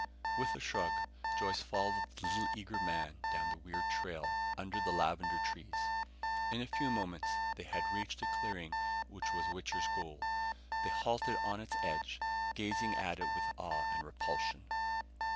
With a shrug, Joyce followed the eager little man down the weird trail under the lavender trees. In a few moments they had reached the clearing which was Wichter's goal. They halted on its edge, gazing at it with awe and repulsion.